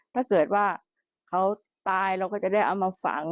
ถ้าเกิดว่าเขาตายเราก็จะได้เอามาฝัง